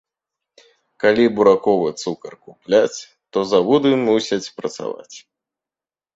Калі бураковы цукар купяць, то заводы мусяць працаваць.